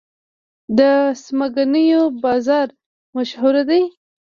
د څمکنیو بازار مشهور دی